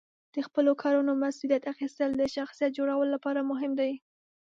د خپلو کړنو مسئولیت اخیستل د شخصیت جوړولو لپاره مهم دي.